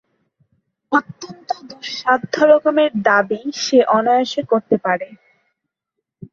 অত্যন্ত দুঃসাধ্য রকমের দাবি সে অনায়াসে করতে পারে।